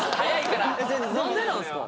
何でなんすか？